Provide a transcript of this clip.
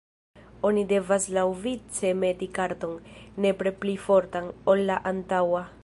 Oni devas laŭvice meti karton, nepre pli fortan, ol la antaŭa.